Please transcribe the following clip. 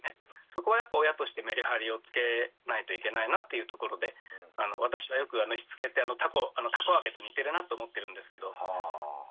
そこはやっぱ親としてメリハリをつけないといけないなっていうところで私もよくしつけって「たこ揚げ」と似てるなと思ってるんですけど。